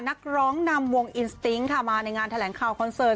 นักร้องนำวงอินสติ๊กค่ะมาในงานแถลงข่าวคอนเสิร์ต